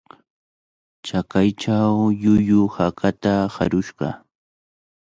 Chakaychaw llullu hakata harushqa